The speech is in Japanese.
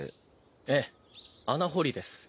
ええ穴掘りです。